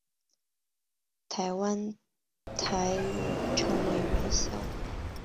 台湾台语称为元宵。